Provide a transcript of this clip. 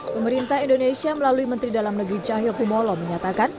pemerintah indonesia melalui menteri dalam negeri cahyokumolo menyatakan